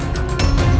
aduh tolong